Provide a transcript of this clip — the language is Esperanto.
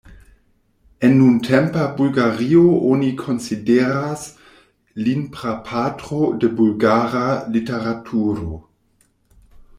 En nuntempa Bulgario oni konsideras lin prapatro de bulgara literaturo.